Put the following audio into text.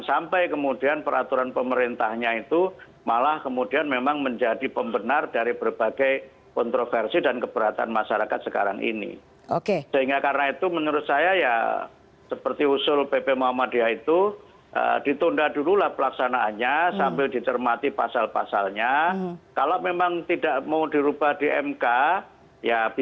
selain itu presiden judicial review ke mahkamah konstitusi juga masih menjadi pilihan pp muhammadiyah